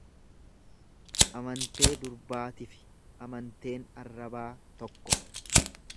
Amantee durbaatifi amanteen arrabaa tokko.